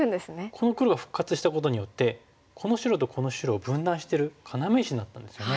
この黒が復活したことによってこの白とこの白を分断してる要石になったんですよね。